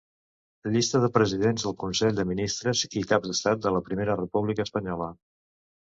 Llista de presidents del consell de ministres i caps d'Estat de la Primera República Espanyola.